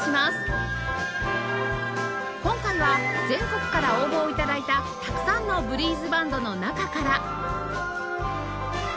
今回は全国から応募を頂いたたくさんのブリーズバンドの中から